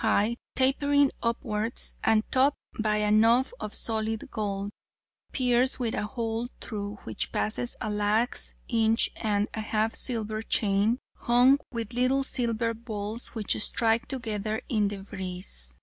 high, tapering upwards, and topped by a knob of solid gold, pierced with a hole through which passes a lax inch and a half silver chain, hung with little silver balls which strike together in the breeze.